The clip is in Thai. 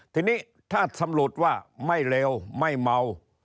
ทีนี้ถ้าสำรวจว่าไม่เร็วไม่เมา